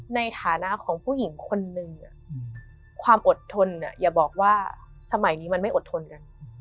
ในฐานะของผู้หญิงคนนึงความอดทนอย่าบอกว่าสมัยนี้มันไม่อดทนกัน